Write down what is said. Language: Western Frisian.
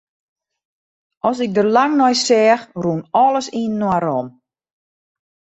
As ik der lang nei seach, rûn alles yninoar om.